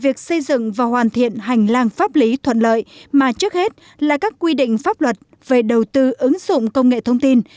việc xây dựng và hoàn thiện hành lang pháp lý thuận lợi mà trước hết là các quy định pháp luật về đầu tư ứng dụng công nghệ thông tin